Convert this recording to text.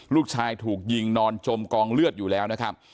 ลูกชายถูกยิงนอนจมกองเลือดอยู่แล้วนะครับ